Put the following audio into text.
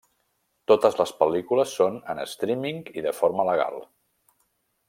Totes les pel·lícules són en streaming i de forma legal.